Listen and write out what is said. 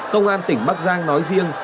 công an tỉnh bắc giang nói riêng